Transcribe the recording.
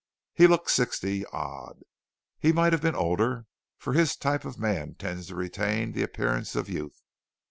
He looked sixty odd. He might have been older, for his type of man tends to retain the appearance of youth.